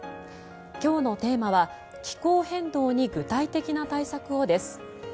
今日のテーマは「気候変動に具体的な対策を」です。